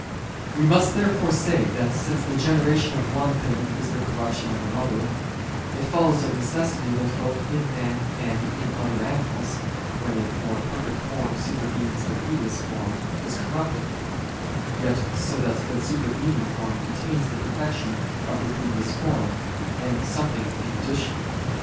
We must therefore say that since the generation of one thing is the corruption of another, it follows of necessity that both in men and in other animals, when a more perfect form supervenes the previous form is corrupted: yet so that the supervening form contains the perfection of the previous form, and something in addition.